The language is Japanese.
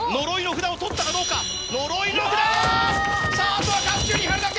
あとは甲冑に貼るだけ！